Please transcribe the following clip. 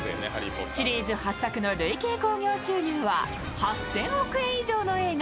シリーズ８作の累計興行収入は８０００億円以上の映画